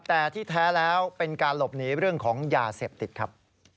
แต่ที่แท้แล้วเป็นการหลบหนีเรื่องของยาเสพติดครับ